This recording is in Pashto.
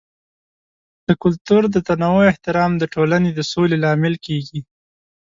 د کلتور د تنوع احترام د ټولنې د سولې لامل کیږي.